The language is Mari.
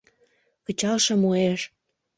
Кычалше муэш!